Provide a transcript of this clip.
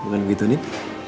bukan begitu andien